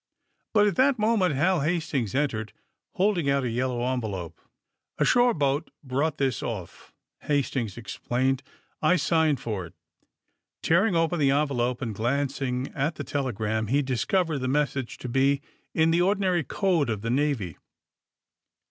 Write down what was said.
But at that moment Hal Hastings entered, holding out a yellow envelope. *^A shore boat brought this off,'^ Hastings ex plained. ^' I signed for it. '' Tearing open the envelope and glancing at the telegram, he discovered the message to be in the ordinary code of the Navy.